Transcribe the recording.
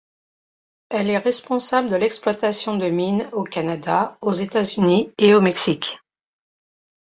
Elle est responsables de l'exploitation de mines au Canada, aux États-Unis et au Mexique.